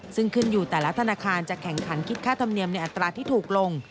ซึ่งขึ้นอยู่แต่ละธนาคารจะแข่งขันคิดค่าธรรมเนียมในอัตราที่ถูกลง